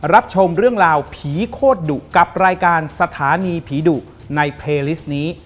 รับชมเรื่องราวผีโคตรดุกับรายการสถานีผีดุในเพลิสต์นี้